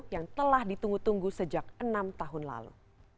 yang telah ditunggu tunggu sejak enam tahun lalu